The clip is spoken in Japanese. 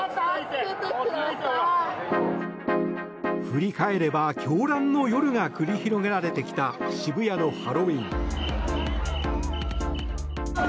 振り返れば狂乱の夜が繰り広げられてきた渋谷のハロウィーン。